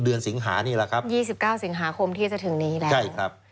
สิงหานี่แหละครับ๒๙สิงหาคมที่จะถึงนี้แล้วใช่ครับ